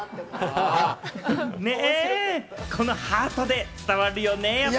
このハートで伝わるよね。